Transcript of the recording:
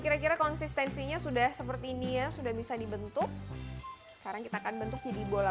kira kira konsistensinya sudah seperti ini ya sudah bisa dibentuk sekarang kita akan bentuk jadi bola